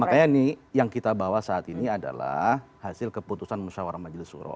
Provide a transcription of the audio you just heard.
nah makanya nih yang kita bawa saat ini adalah hasil keputusan musyawara majlisuro